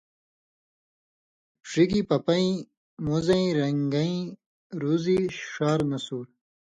ڙِگیۡ پپَیں، مُزیں رن٘گَیں رُزی، ݜار نسُور،